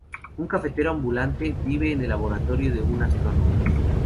Un cafetero ambulante vive en el laboratorio de un astrónomo.